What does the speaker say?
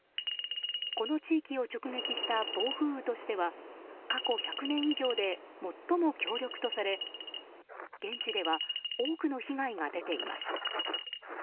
この地域を直撃した暴風雨としては過去１００年以上で最も強力とされ現地では多くの被害が出ています。